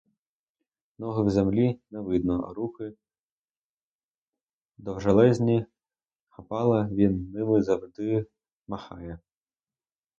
Ноги в землі, не видно, а руки — довжелезні хапала, він ними завжди махає.